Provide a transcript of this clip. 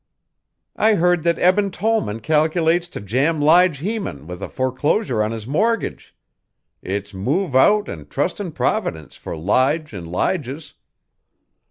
"I heard that Eben Tollman cal'lates to jam Lige Heman with a foreclosure on his mortgage. It's move out and trust in Providence for Lige and Lige's."